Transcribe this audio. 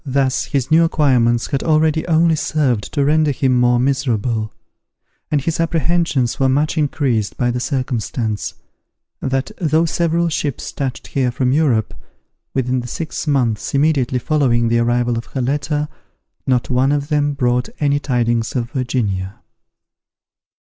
Thus his new acquirements had already only served to render him more miserable; and his apprehensions were much increased by the circumstance, that though several ships touched here from Europe, within the six months immediately following the arrival of her letter, not one of them brought any tidings of Virginia.